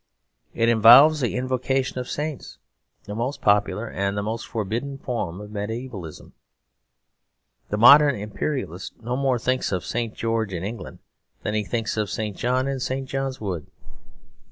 It involves the invocation of saints, the most popular and the most forbidden form of mediævalism. The modern Imperialist no more thinks of St. George in England than he thinks of St. John in St. John's Wood.